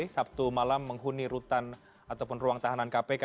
sabtu malam menghuni rutan ataupun ruang tahanan kpk